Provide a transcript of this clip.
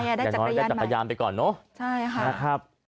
อย่างน้อยก็จะพยายามไปก่อนเนอะนะครับใช่ค่ะ